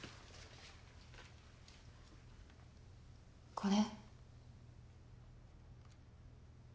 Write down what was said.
これ？